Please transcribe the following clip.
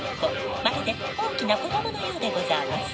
まるで大きな子供のようでござあます。